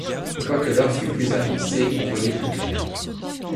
Quoique l’heure fût plus avancée, on voyait plus clair.